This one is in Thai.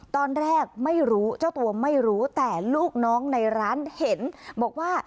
ตอนแรกไม่รู้เจ้าตัวไม่รู้แต่ลูกน้องในร้านเห็นบอกว่า